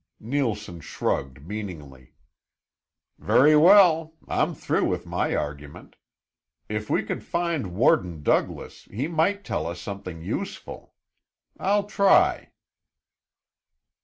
Neilson shrugged meaningly. "Very well! I'm through with my argument. If we could find warden Douglas, he might tell us something useful. I'll try."